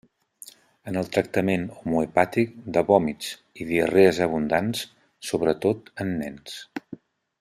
En el tractament homeopàtic de vòmits i diarrees abundants, sobretot en nens.